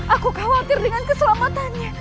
aku khawatir dengan keselamatannya